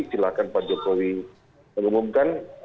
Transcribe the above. silahkan pak jokowi mengumumkan